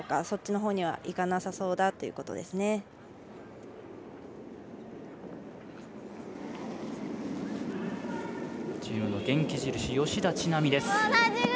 そっちのほうにはいかなさそうだということですね。